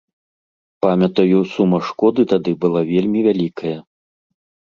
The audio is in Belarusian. Памятаю, сума шкоды тады была вельмі вялікая.